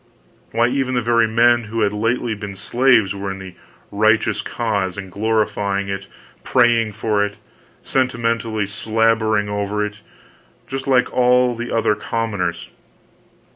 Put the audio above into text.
Why, even the very men who had lately been slaves were in the "righteous cause," and glorifying it, praying for it, sentimentally slabbering over it, just like all the other commoners.